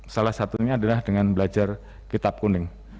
salah satunya adalah dengan belajar kitab kuning